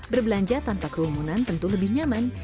berbelanja tanpa kerumunan tentu lebih nyaman